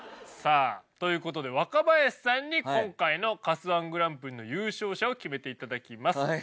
さあということで若林さんに今回のカス−１ＧＰの優勝者を決めていただきます。